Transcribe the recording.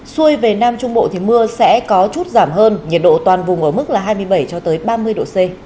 suối về nam trung bộ thì mưa sẽ có chút giảm hơn nhiệt độ toàn vùng ở mức là hai mươi bảy ba mươi độ c